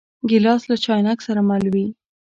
ګیلاس له چاینک سره مل وي.